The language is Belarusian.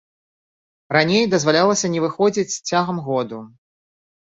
Раней дазвалялася не выходзіць цягам году.